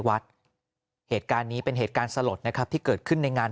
วัดเหตุการณ์นี้เป็นเหตุการณ์สลดนะครับที่เกิดขึ้นในงาน